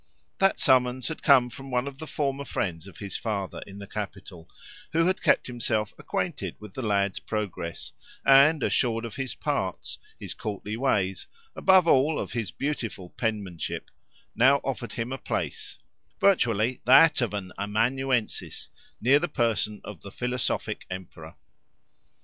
That summons had come from one of the former friends of his father in the capital, who had kept himself acquainted with the lad's progress, and, assured of his parts, his courtly ways, above all of his beautiful penmanship, now offered him a place, virtually that of an amanuensis, near the person of the philosophic emperor.